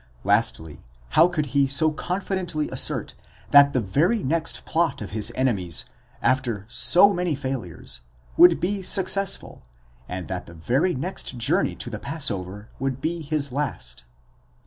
Lastly, how could he so confidently assert that the very next plot of his enemies, after so many failures, would be successful, and that the very next journey to the pass over would be his last?